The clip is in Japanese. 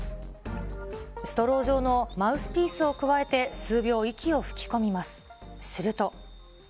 ストロー状のマウスピースをくわえて数秒、息を吹き込みます。